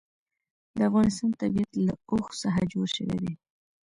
د افغانستان طبیعت له اوښ څخه جوړ شوی دی.